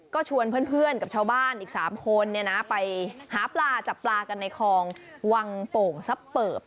ก็ชวนเพื่อนกับชาวบ้านอีก๓คนไปหาปลาจับปลากันในคลองวังโป่งซับเปิบ